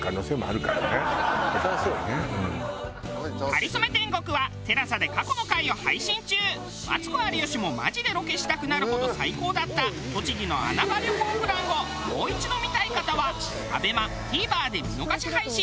『かりそめ天国』はマツコ有吉もマジでロケしたくなるほど最高だった栃木の穴場旅行プランをもう一度見たい方はＡＢＥＭＡＴＶｅｒで見逃し配信。